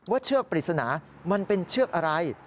เชือกปริศนามันเป็นเชือกอะไร